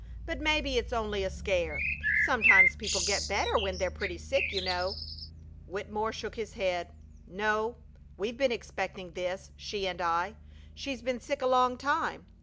"But maybe it's only a scare. Sometimes people get better when they're pretty sick, you know." Wittemore shook his head. "No. We've been expecting this, she and I. She's been sick a long time.